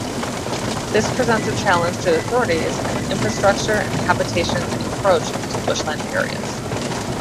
This presents a challenge to authorities as infrastructure and habitations encroach into bushland areas.